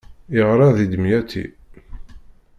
Iɣṛa di demyaṭi.